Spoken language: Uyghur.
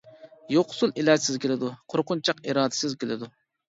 يوقسۇل ئىلاجىسىز كېلىدۇ، قورقۇنچاق ئىرادىسىز كېلىدۇ.